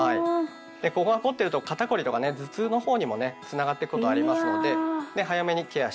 ここが凝ってると肩凝りとかね頭痛の方にもねつながっていくことありますので早めにケアしていきたいですよね。